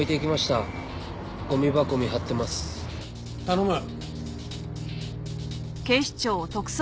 頼む。